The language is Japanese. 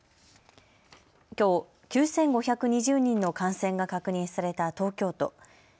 きょう９５２０人の感染が確認された東京都。